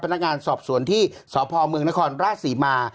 พนักงานสอบสวนที่สพเมืองนครราชศรีมา